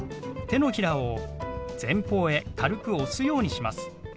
手のひらを前方へ軽く押すようにします。